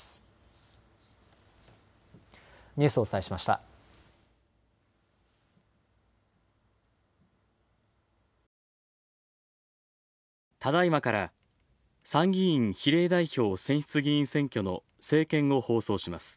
ただいまから参議院比例代表選出議員選挙の政見を放送します。